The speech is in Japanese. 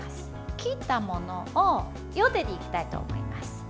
切ったものをゆでていきたいと思います。